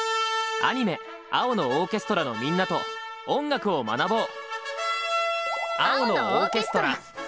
アニメ「青のオーケストラ」のみんなと音楽を学ぼう！